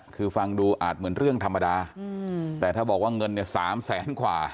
คือฟังดูอาจเหมือนเรื่องธรรมดาแต่ถ้าบอกว่าเงินเนี่ย๓แสนกว่า